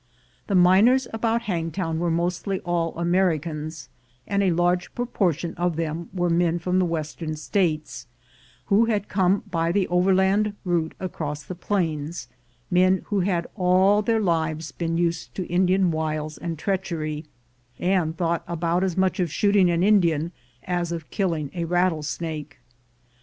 The miners about Hangtown were mostly all Americans, and a large proportion of them were men from the Western States, who had come by the over land route across the plains — men who had all their lives been used to Indian wiles and treachery, and thought about as much of shooting an Indian as of killing a rattlesnake.